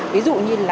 ví dụ như là